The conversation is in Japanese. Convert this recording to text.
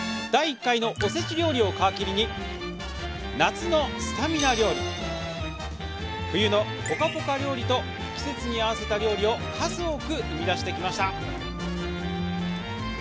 第１回のおせち料理を皮切りに夏のスタミナ料理冬のぽかぽか料理と季節に合わせた料理を数多く生み出してきました。